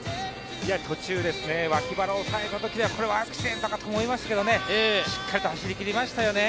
途中、脇腹を押さえたときはこれはアクシデントかと思いましたが、しっかりと走りきりましたよね。